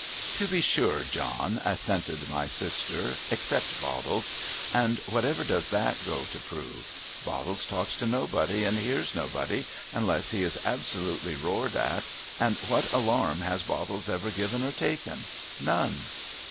' To be sure, John,' assented my sister ;' except Bottles. And what does that go to prove ? Bottles talks to nobody, and hears nobody unless he is absolutely roared at, and what alarm has Bottles ever given, or taken ! None.'